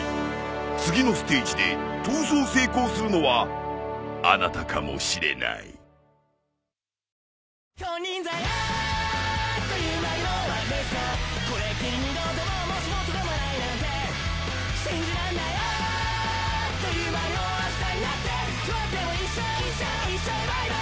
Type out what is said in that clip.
［次のステージで逃走成功するのはあなたかもしれない］来た！